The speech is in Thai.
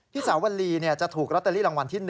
สาวลีจะถูกลอตเตอรี่รางวัลที่๑